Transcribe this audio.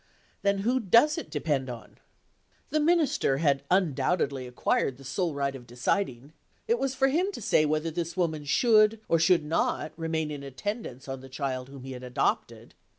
"Then who does it depend on?" The Minister had undoubtedly acquired the sole right of deciding. It was for him to say whether this woman should, or should not, remain in attendance on the child whom he had adopted.